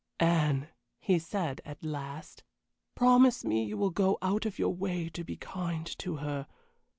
"Anne," he said, at last, "promise me you will go out of your way to be kind to her.